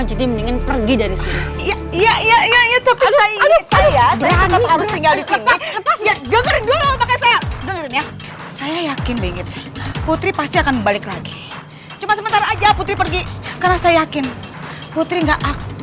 jadi perempuan perempuan cantik